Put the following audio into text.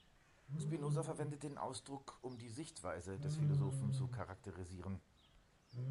Spinoza verwendet den Ausdruck, um die Sichtweise des Philosophen zu charakterisieren.